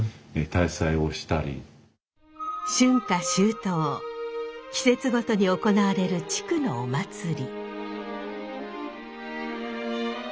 特にですね季節ごとに行われる地区のお祭り。